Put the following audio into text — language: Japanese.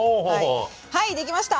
はい出来ました！